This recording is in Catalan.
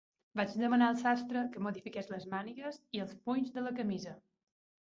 Vaig demanar al sastre que modifiqués les mànigues i els punys de la camisa.